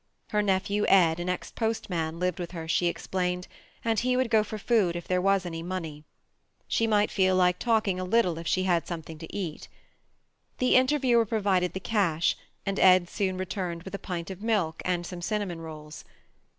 Her nephew, Ed, an ex postman lived with her, she explained, and he would go for food if there was any money. She might feel like talking a little if she had a little something to eat. The interviewer provided the cash and Ed soon returned with a pint of milk and some cinnamon rolls.